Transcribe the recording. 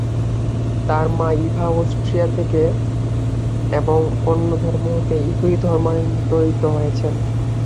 তার মা Eva Austria থেকে এবং অন্য ধর্ম হতে ইহুদি ধর্মান্তরিত হয়েছেন।